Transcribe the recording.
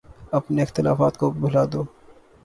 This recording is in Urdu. اپنے اختلافات کو بھلا دو۔